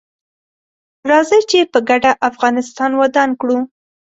راځي چې په ګډه افغانستان ودان کړو